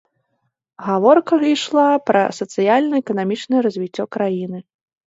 Гаворка ішла пра сацыяльна-эканамічнае развіццё краіны.